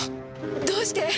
どうして？